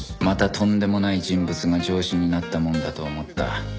またとんでもない人物が上司になったもんだと思った